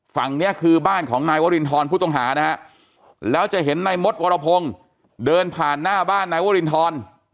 ฝั่งนี้คือบ้านของนายวรินทรผู้ต้องหานะฮะแล้วจะเห็นนายมดวรพงศ์เดินผ่านหน้าบ้านนายวรินทร